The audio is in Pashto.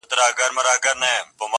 چي طوطي ګنجي ته وکتل ګویا سو!